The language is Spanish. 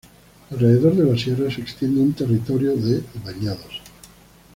Alrededor de la sierra se extiende un territorio de bañados.